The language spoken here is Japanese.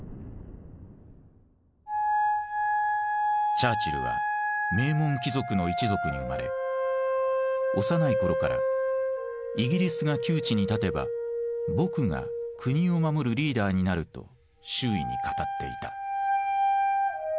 チャーチルは名門貴族の一族に生まれ幼い頃から「イギリスが窮地に立てば僕が国を守るリーダーになる」と周囲に語っていた。